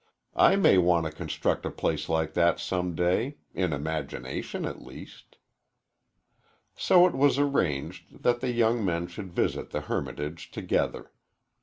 I may want to construct a place like that some day in imagination, at least." So it was arranged that the young men should visit the hermitage together.